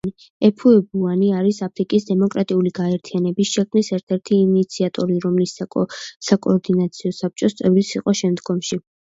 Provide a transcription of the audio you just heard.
უფუე-ბუანი არის აფრიკის დემოკრატიული გაერთიანების შექმნის ერთ-ერთი ინიციატორი, რომლის საკოორდინაციო საბჭოს წევრიც იყო შემდგომში.